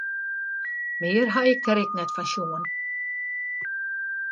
Mear ha ik dêr ek net fan sjoen.